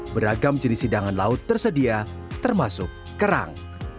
beragam jenis hidangan laut tersedia termasuk kerang